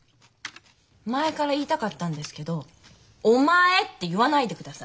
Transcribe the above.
前から言いたかったんですけど「お前」って言わないでください。